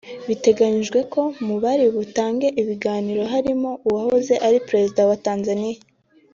Biteganyijwe ko mu bari butange ibiganiro harimo uwahoze ari Perezida wa Tanzania